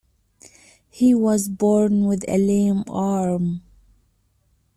He was born with a lame arm.